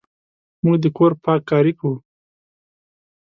موږ د کور پاککاري کوو.